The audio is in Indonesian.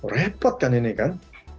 repot kan ini kan